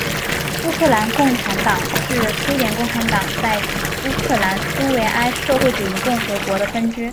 乌克兰共产党是苏联共产党在乌克兰苏维埃社会主义共和国的分支。